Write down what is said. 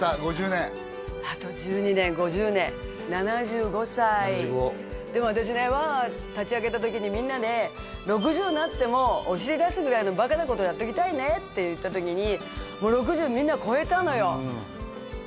５０年あと１２年５０年７５歳７５でも私ねワハハ立ち上げた時にみんなで６０になってもお尻出すぐらいのバカなことやっときたいねって言った時にもう６０みんな超えたのよ